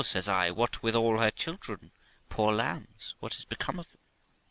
says I; 'what: with all her children ? Poor lambs, what is become of them?'